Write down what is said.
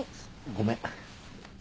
ごめん。